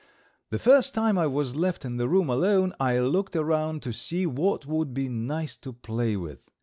The first time I was left in the room alone I looked around to see what would be nice to play with.